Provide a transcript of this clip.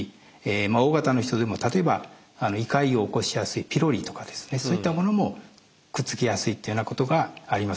Ｏ型の人でも例えば胃潰瘍を起こしやすいピロリとかですねそういったものもくっつきやすいというようなことがあります。